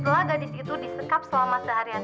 gela gadis itu disekap selama seharian